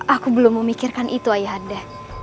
aku belum memikirkan itu ayahanda